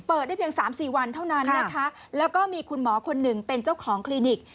ได้เพียงสามสี่วันเท่านั้นนะคะแล้วก็มีคุณหมอคนหนึ่งเป็นเจ้าของคลินิก